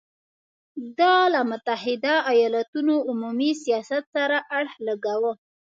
دا له متحدو ایالتونو عمومي سیاست سره اړخ لګاوه.